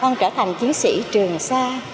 con trở thành chiến sĩ trường sa